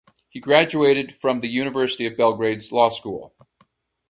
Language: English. He graduated from the University of Belgrade's Law School.